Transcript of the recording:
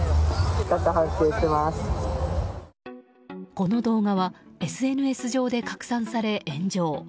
この動画はＳＮＳ上で拡散され炎上。